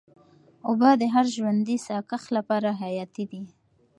اوبه د هر ژوندي ساه کښ لپاره حیاتي دي.